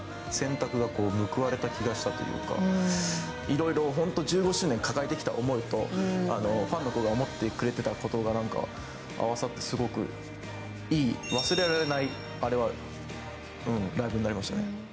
いろいろ本当１５周年抱えてきた思いと、ファンの子が思っていてくれたことが合わさってすごくいい忘れられない、あれは、ライブになりましたね。